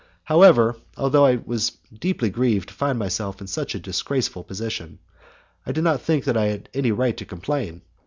However, although I was deeply grieved to find myself in such a disgraceful position, I did not think I had any right to complain.